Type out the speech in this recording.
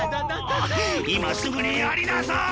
今すぐにやりなさい！